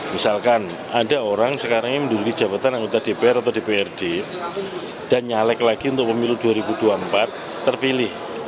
misalkan ada orang sekarang ini menduduki jabatan anggota dpr atau dprd dan nyalek lagi untuk pemilu dua ribu dua puluh empat terpilih